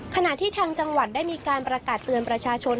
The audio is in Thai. ขณะที่ทางจังหวัดได้มีการประกาศเตือนประชาชน